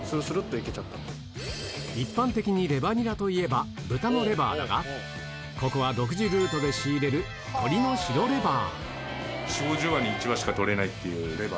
一般的にレバニラといえば豚のレバーだがここは独自ルートで仕入れるっていうレバーで。